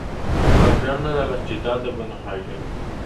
Gobierno de la Ciudad de Buenos Aires.